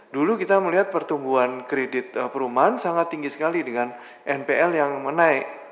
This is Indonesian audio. dulu kita melihat pertumbuhan kredit perumahan sangat tinggi sekali dengan npl yang menaik